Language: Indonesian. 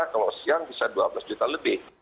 kalau siang bisa dua belas juta lebih